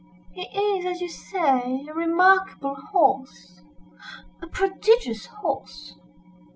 "He is, as you say, a remarkable horse—a prodigious horse!